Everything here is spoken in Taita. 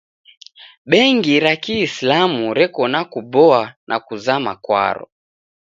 Bengi ra kiisilamu reko na kuboa na kuzama kwaro.